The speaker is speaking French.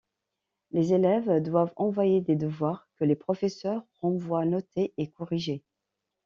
Les élèves doivent envoyer des devoirs que les professeurs renvoient notés et corrigés.